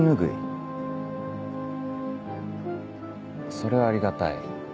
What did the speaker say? それはありがたい。